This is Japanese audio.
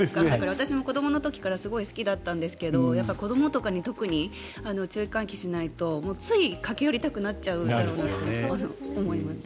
私も子どもの頃から好きだったんですけど子どもとかに特に注意喚起しないとつい駆け寄りたくなっちゃうのでと思います。